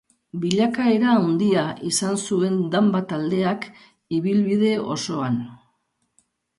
Bilakaera handia izan zuen Danba taldeak ibilbide osoan.